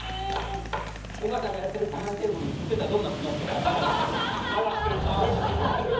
岡ちゃんがやってるターンテーブルに食ってたドーナツのっけて回して。